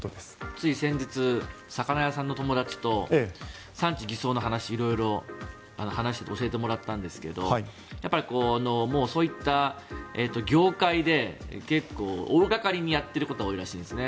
つい先日魚屋さんの友達と産地偽装の話色々話してて教えてもらったんですけどそういった業界で結構、大掛かりにやってることが多いらしいんですね。